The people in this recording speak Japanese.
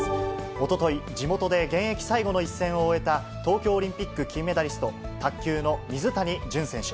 おととい、地元で現役最後の一戦を終えた、東京オリンピック金メダリスト、卓球の水谷隼選手。